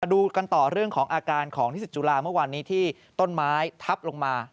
ดูกันต่อเรื่องของอาการของนิสิตจุฬาเมื่อวานนี้ที่ต้นไม้ทับลงมา